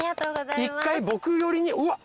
１回僕寄りにうわっ！